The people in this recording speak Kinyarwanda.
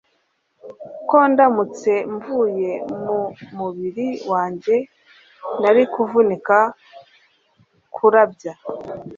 Ko ndamutse mvuye mu mubiri wanjye nari kuvunika Kurabya